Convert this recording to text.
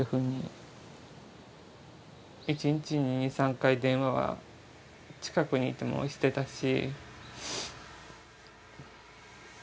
１日に２３回電話は近くにいてもしていたし。